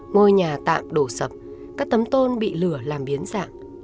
ngôi nhà tạm đổ sập các tấm tôn bị lửa làm biến dạng